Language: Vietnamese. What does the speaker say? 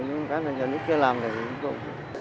nhưng mà các người ở nước kia làm thì cũng không